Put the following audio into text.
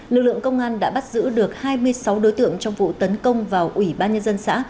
lực lượng công an đã bắt giữ được hai mươi sáu đối tượng trong vụ tấn công vào ủy ban nhân dân xã